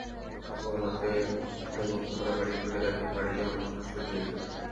গতকাল রাতে হোটেল বন্ধ করে বাড়িতে ফিরে দেখেন, বাড়িতে অনেক মানুষের ভিড়।